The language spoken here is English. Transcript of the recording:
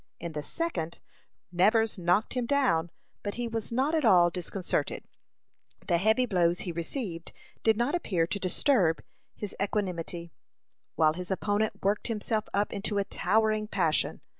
In the second, Nevers knocked him down; but he was not at all disconcerted. The heavy blows he received did not appear to disturb his equanimity, while his opponent worked himself up into a towering passion.